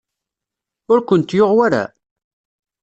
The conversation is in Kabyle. Ur kent-yuɣ wara?